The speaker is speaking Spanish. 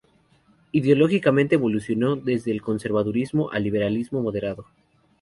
Ideológicamente, evolucionó desde el conservadurismo al liberalismo moderado.